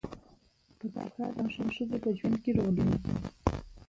پکتیکا د افغان ښځو په ژوند کې رول لري.